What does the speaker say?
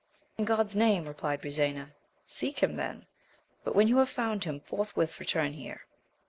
In God's name, replied Brisena, seek him then, but when you have found him forthwith return here.